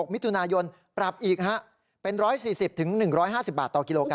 มิถุนายนปรับอีกเป็น๑๔๐๑๕๐บาทต่อกิโลกร